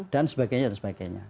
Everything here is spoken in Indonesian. dan sebagainya dan sebagainya